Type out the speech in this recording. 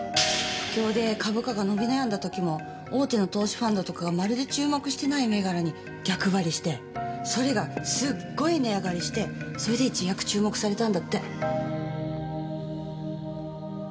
不況で株価が伸び悩んだ時も大手の投資ファンドとかがまるで注目してない銘柄に逆張りしてそれがすっごい値上がりしてそれで一躍注目されたんだって。